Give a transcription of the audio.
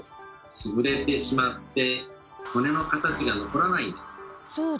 潰れてしまって骨の形が残らないんです。